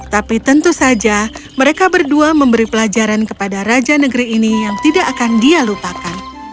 tapi tentu saja mereka berdua memberi pelajaran kepada raja negeri ini yang tidak akan dia lupakan